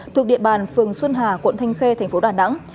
thuộc địa bàn phường xuân hà quận thanh khê thành phố đà nẵng